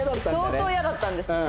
相当イヤだったんですね。